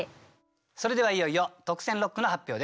それではいよいよ特選六句の発表です。